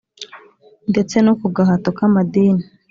ndetse no ku gahato k`amadini.